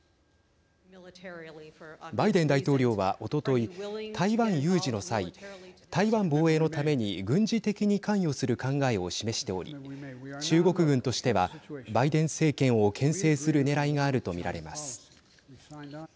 バイデン大統領は、おととい台湾有事の際台湾防衛のために軍事的に関与する考えを示しており中国軍としてはバイデン政権をけん制するねらいがあるとみられます。